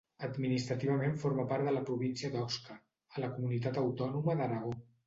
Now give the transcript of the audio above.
Administrativament forma part de la província d'Osca, a la comunitat autònoma d'Aragó.